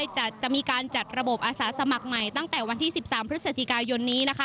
จะมีการจัดระบบอาสาสมัครใหม่ตั้งแต่วันที่๑๓พฤศจิกายนนี้